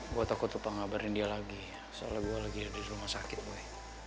gue takut apa ngabarin dia lagi soalnya gue lagi ada di rumah sakit gue